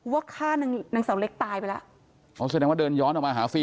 ว่าฆ่านางนางเสาเล็กตายไปแล้วอ๋อแสดงว่าเดินย้อนออกมาหาฟิล